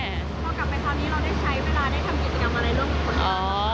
พอกลับไปคราวนี้เราได้ใช้เวลาได้ทำกิจกรรมอะไรร่วมกับคน